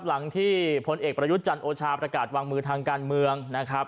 หลังที่พลเอกประยุทธ์จันทร์โอชาประกาศวางมือทางการเมืองนะครับ